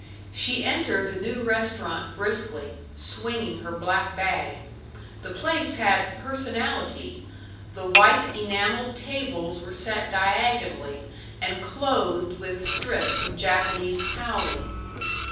She entered the new restaurant briskly, swinging her black bag. The place had Personality the white enameled tables were set diagonally and clothed with strips of Japanese toweling.